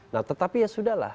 nah tetapi ya sudah lah